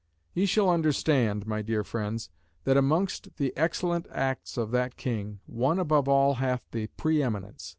"Ye shall understand (my dear friends) that amongst the excellent acts of that king, one above all hath the pre eminence.